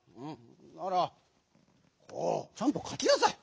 ならこうちゃんとかきなさい！